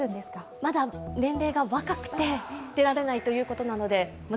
まだ年齢が若くて出られないということでまた